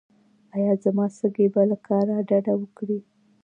ایا زما سږي به له کار ډډه وکړي؟